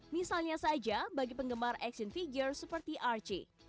misalnya saja bagi penggemar action figure seperti archi